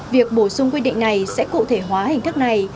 việc bổ sung quy định này sẽ cụ thể hóa hình thức này